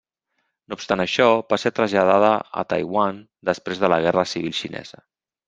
No obstant això, va ser traslladada a Taiwan després de la Guerra civil xinesa.